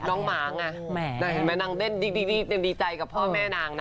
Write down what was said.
น้องหมางอ่ะแม่นางเด้นดีใจกับพ่อแม่นางนะ